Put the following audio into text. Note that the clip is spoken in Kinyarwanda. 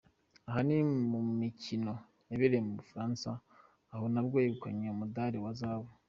Aha ni mu mikino yabereye mu Bufaransa aho nabwo yegukanye umudari wa zahabu.